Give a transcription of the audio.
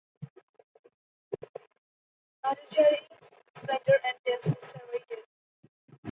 Notochaetae slender and densely serrated.